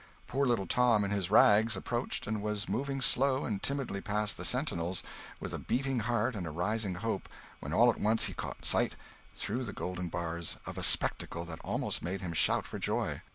Poor little Tom, in his rags, approached, and was moving slowly and timidly past the sentinels, with a beating heart and a rising hope, when all at once he caught sight through the golden bars of a spectacle that almost made him shout for joy.